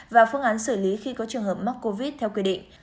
và phương án xử lý khi có trường hợp mắc covid theo quy định